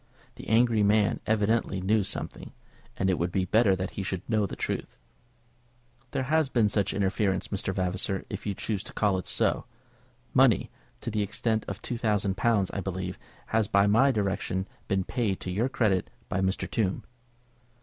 The angry man evidently knew something, and it would be better that he should know the truth. "There has been such interference, Mr. Vavasor, if you choose to call it so. Money, to the extent of two thousand pounds, I think, has by my directions been paid to your credit by Mr. Tombe."